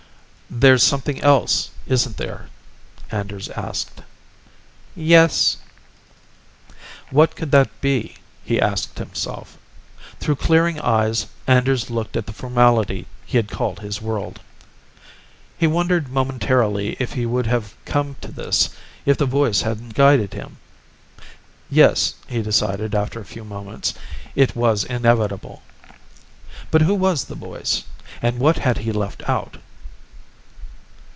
"There's something else, isn't there?" Anders asked. "Yes." What could that be, he asked himself. Through clearing eyes, Anders looked at the formality he had called his world. He wondered momentarily if he would have come to this if the voice hadn't guided him. Yes, he decided after a few moments, it was inevitable. But who was the voice? And what had he left out?